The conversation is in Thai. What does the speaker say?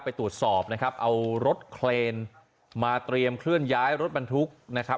ไปตรวจสอบนะครับเอารถเคลนมาเตรียมเคลื่อนย้ายรถบรรทุกนะครับ